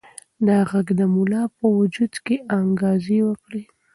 دا غږ د ملا په وجود کې انګازې وکړې.